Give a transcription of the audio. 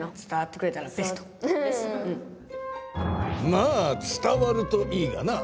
まあ伝わるといいがな。